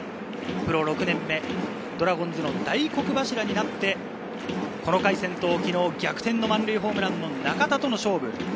プロ６年目、ドラゴンズの大黒柱になって、この回、先頭は昨日逆転の満塁ホームランの中田との勝負。